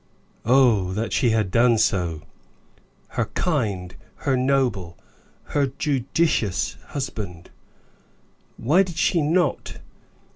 Oh, that she had done so! Her kind, her noble, her judicious husband! Why did she not?